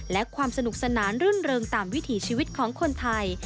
และความสนุกสนานรื่นเริงตามวิถีชีวิตของคนไทย